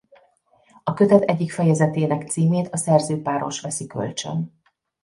A kötet egyik fejezetének címét a szerzőpáros veszi kölcsön.